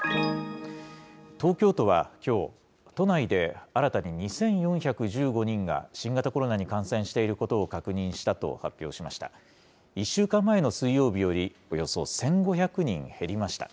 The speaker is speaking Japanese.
東京都はきょう、都内で新たに２４１５人が新型コロナに感染していることを確認したと発表しました。